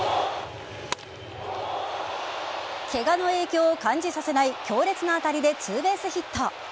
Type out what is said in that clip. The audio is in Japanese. ケガの影響を感じさせない強烈な当たりでツーベースヒット。